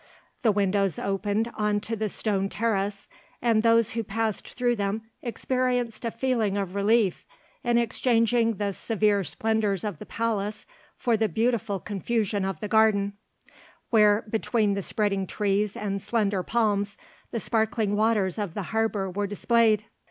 The windows opened on to the stone terrace, and those who passed through them experienced a feeling of relief in exchanging the severe splendours of the palace for the beautiful confusion of the garden, where between the spreading trees and slender palms the sparkling waters of the harbour were displayed.